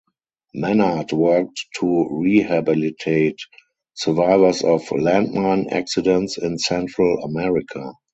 Menard worked to rehabilitate survivors of landmine accidents in Central America.